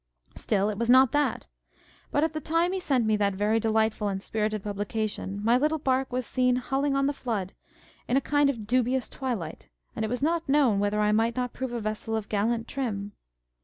Still it was not that. But at the time he sent me that very delightful and spirited publication, my little bark was seen " hulling on the flood " in a kind of dubious twilight, and it was not known whether I might not prove a vessel of gallant trim.